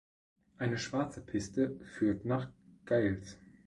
Eine schwarze Piste führt nach Geils.